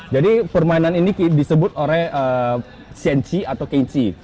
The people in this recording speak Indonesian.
jadi permainan ini disebut oleh kenji